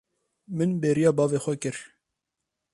Min bêriya bavê xwe kir.